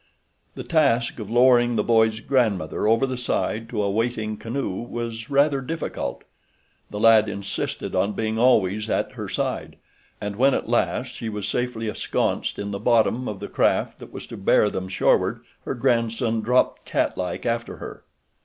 The task of lowering the boy's grandmother over the side to a waiting canoe was rather difficult. The lad insisted on being always at her side, and when at last she was safely ensconced in the bottom of the craft that was to bear them shoreward her grandson dropped catlike after her.